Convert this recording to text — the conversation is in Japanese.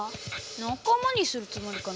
仲間にするつもりかな？